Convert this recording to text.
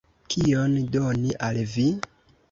Kion doni al vi?